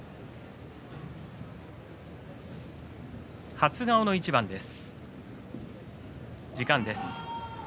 初顔の一番です。